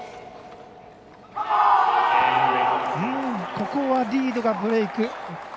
ここはリードがブレーク。